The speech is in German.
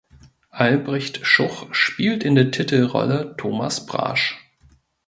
Albrecht Schuch spielt in der Titelrolle Thomas Brasch.